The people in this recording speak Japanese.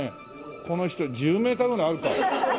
この人１０メーターぐらいあるか？